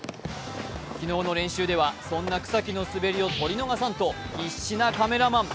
昨日の練習では、そんな草木の滑りを撮り逃さんと必死なカメラマン。